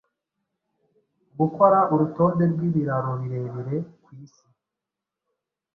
Gukora urutonde rwibiraro birebire ku isi